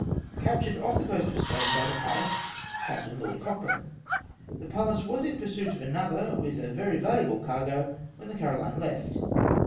Captured off the coast of Spain by the Pallas, Captain Lord Cochrane. The Pallas was in pursuit of another with a very valuable cargo when the Caroline left.